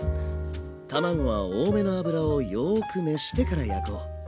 卵は多めの油をよく熱してから焼こう。